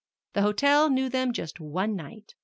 The hotel knew them just one night.